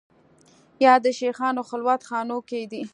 یا د شېخانو خلوت خانو کې